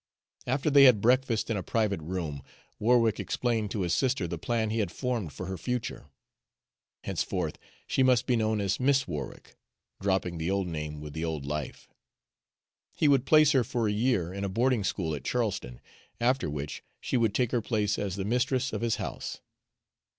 After they had breakfasted in a private room, Warwick explained to his sister the plan he had formed for her future. Henceforth she must be known as Miss Warwick, dropping the old name with the old life. He would place her for a year in a boarding school at Charleston, after which she would take her place as the mistress of his house.